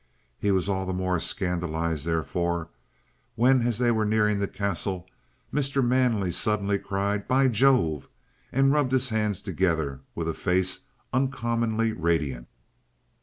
He was all the more scandalized, therefore, when, as they were nearing the Castle, Mr. Manley suddenly cried, "By Jove!" and rubbed his hands together with a face uncommonly radiant.